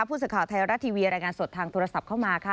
ผู้สื่อข่าวไทยรัฐทีวีรายงานสดทางโทรศัพท์เข้ามาค่ะ